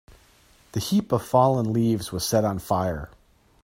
The heap of fallen leaves was set on fire.